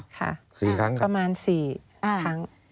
สามครับประมาณ๔ครั้ง